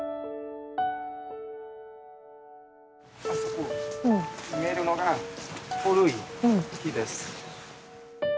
あそこ見えるのが古い木です。